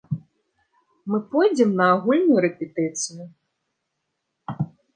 Мы пойдзем на агульную рэпетыцыю.